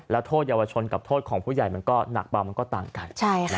แล้วโทษเยาวชนกับโทษของผู้ใหญ่มันก็หนักเบามันก็ต่างกัน